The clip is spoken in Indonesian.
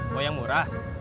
mau yang murah